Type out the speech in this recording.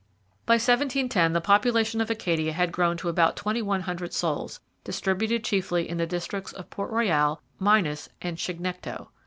By 1710 the population of Acadia had grown to about twenty one hundred souls, distributed chiefly in the districts of Port Royal, Minas, and Chignecto.